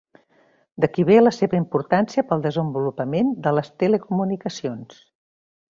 D'aquí ve la seva importància pel desenvolupament de les telecomunicacions.